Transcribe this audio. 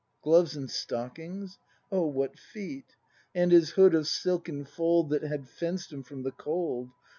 Gloves and stockings — (Oh, what feet!) And his hood of silken fold That had fenced him from the cold.